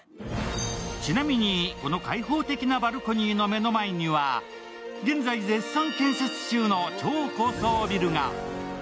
ちなみに、この開放的なバルコニーの目の前には現在、絶賛建設中の超高層ビルが。